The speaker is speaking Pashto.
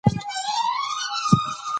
کار انسان بريالی کوي.